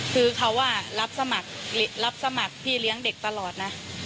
คือเขารับสมัครรับสมัครพี่เลี้ยงเด็กตลอดนะ